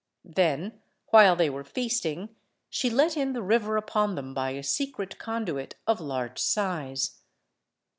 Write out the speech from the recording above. Then while they were feasting, she let in the river upon them by a secret conduit of large size.